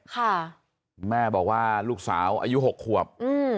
ค่ะแม่บอกว่าลูกสาวอายุหกขวบอืม